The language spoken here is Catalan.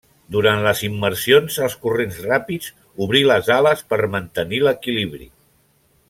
Durant les immersions als corrents ràpids, obri les ales per mantenir l'equilibri.